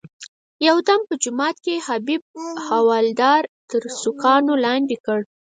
یو دم په جومات کې حبیب حوالدار تر سوکانو لاندې کړ.